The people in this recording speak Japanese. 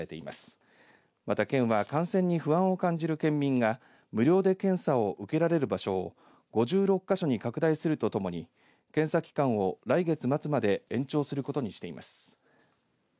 また県は感染に不安を感じる県民が無料で検査を受けられる場所を５６か所に拡大するとともに検査期間を来月末まで延長することにしています。